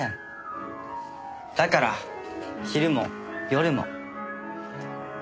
だから昼も夜も。